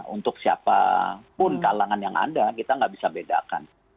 untuk siapapun kalangan yang ada kita nggak bisa bedakan